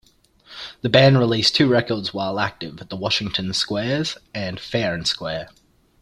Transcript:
The band released two records while active; "The Washington Squares" and "Fair and Square".